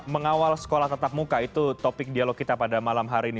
mengawal sekolah tetap muka itu topik dialog kita pada malam hari ini